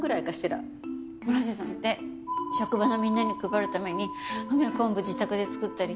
村瀬さんって職場のみんなに配るために梅昆布自宅で作ったり。